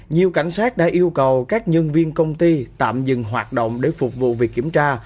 nhiều cảnh sát đã yêu cầu các nhân viên công ty tạm dừng hoạt động để phục vụ việc kiểm tra